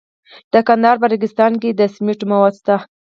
د کندهار په ریګستان کې د سمنټو مواد شته.